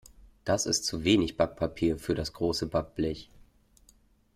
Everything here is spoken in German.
Das ist zu wenig Backpapier für das große Backblech.